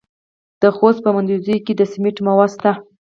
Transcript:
د خوست په مندوزیو کې د سمنټو مواد شته.